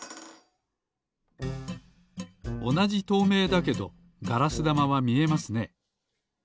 おなじとうめいだけどガラスだまはみえますね。